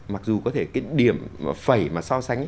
mặc dù có thể cái điểm phẩy mà so sánh